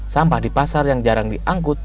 sampah di pasar yang jarang diangkut